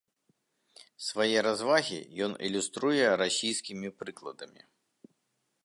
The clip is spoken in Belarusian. Свае развагі ён ілюструе расійскімі прыкладамі.